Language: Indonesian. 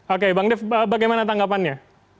oke bang dev bagaimana tanggapannya